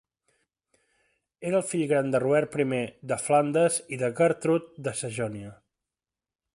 Era el fill gran de Robert I de Flandes i de Gertrude de Sajonia.